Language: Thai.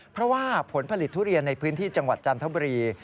เพราะว่าผลผลิตทุเรียนในพื้นที่จังหวัดจันทบุรี